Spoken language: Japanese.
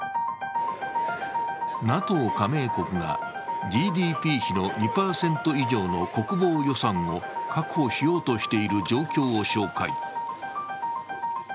ＮＡＴＯ加盟国がＧＤＰ比の２％以上の国防予算を確保しようとしている状況を紹介。